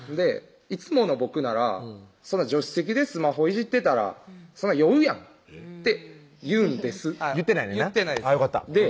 いつもの僕なら「助手席でスマホいじってたらそら酔うやん」って言うんです言ってないねんな言ってないです